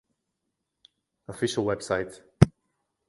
Official Website